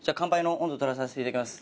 とらさせていただきます。